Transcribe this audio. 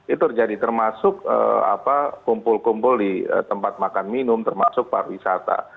itu terjadi termasuk kumpul kumpul di tempat makan minum termasuk pariwisata